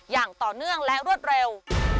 อย่างต่อเนื่องและรวดเร็ว